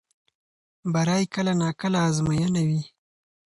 بری کله ناکله ازموینه وي.